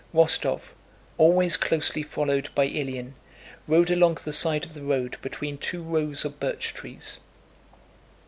Rostóv, always closely followed by Ilyín, rode along the side of the road between two rows of birch trees.